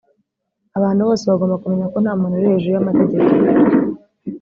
Abantu bose bagomba kumenya ko nta muntu uri hejuru y’amategeko